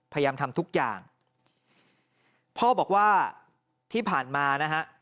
พยายามทำทุกอย่างพ่อบอกว่าที่ผ่านมานะฮะ